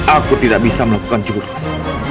aku tidak bisa melakukan jurus